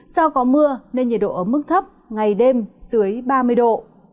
do có mưa nên nhiệt độ ấm mức thấp ngày đêm dưới ba mươi độ